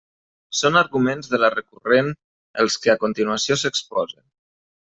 Són arguments de la recurrent els que a continuació s'exposen.